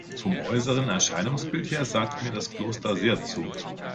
Vom äußeren Erscheinungsbild her sagt mir das Kloster sehr zu.